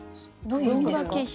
どういう意味ですか？